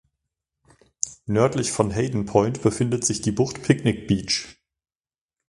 Nördlich von Hayden Point befindet sich die Bucht Picnic Beach.